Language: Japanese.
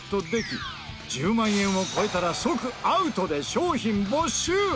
１０万円を超えたら即アウトで商品没収！